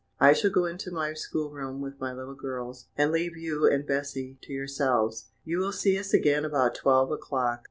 I shall go into my school room with my little girls, and leave you and Bessy to yourselves; you will see us again about twelve o'clock."